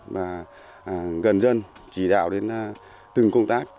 và gần dân chỉ đạo đến từng công tác